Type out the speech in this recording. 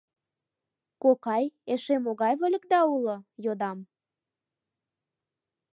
— Кокай, эше могай вольыкда уло? — йодам.